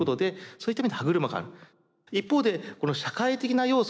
一方でこの社会的な要素